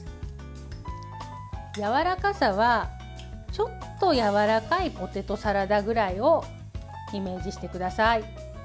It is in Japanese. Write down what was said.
やわらかさはちょっとやわらかいポテトサラダぐらいをイメージしてください。